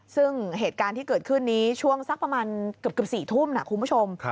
ซึ่งเหตุการณ์ที่เกิดขึ้นนี้ช่วงสักประมาณเกือบ๔ทุ่มนะคุณผู้ชม